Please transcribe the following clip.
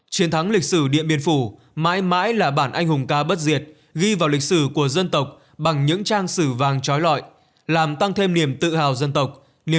chiến thắng lịch sử điện biên phủ mãi mãi là bản anh hùng ca bất diệt ghi vào lịch sử của dân tộc bằng những trang sử vàng trói lọi